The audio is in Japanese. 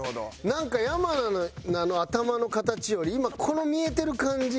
なんか山名の頭の形より今この見えてる感じ